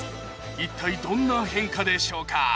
一体どんな変化でしょうか？